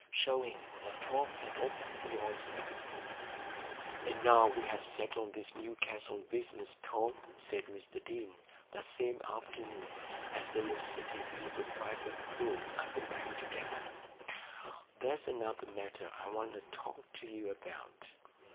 Showing That Tom Had Opened the Oyster "And now we've settled this Newcastle business, Tom," said Mr Deane, that same afternoon, as they were seated in the private room at the Bank together, "there's another matter I want to talk to you about.